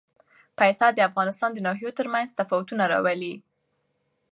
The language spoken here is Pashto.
پسه د افغانستان د ناحیو ترمنځ تفاوتونه راولي.